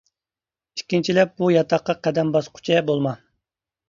ئىككىنچىلەپ بۇ ياتاققا قەدەم باسقۇچە بولما!